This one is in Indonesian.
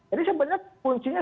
jadi sebenarnya kuncinya